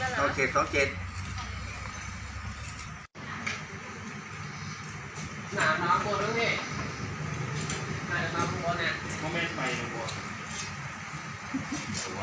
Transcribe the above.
ภารกิจแยกที่จะไล่บันเปลี่ยนภาษาโจมตี๑๐๐๐